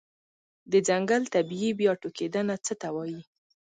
د ځنګل طبيعي بیا ټوکیدنه څه ته وایې؟